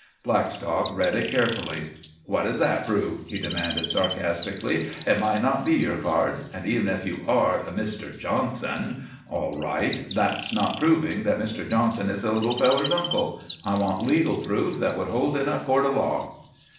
Blackstock read it carefully. "What does that prove?" he demanded sarcastically. "It might not be your card! An' even if you are 'Mr. Johnson' all right, that's not proving that Mr. Johnson is the little feller's uncle! I want legal proof, that would hold in a court of law."